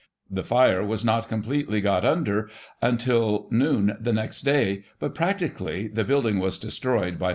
The fire was not completely got under until noon the next day/ but, practically, the building was destroyed by 5 a.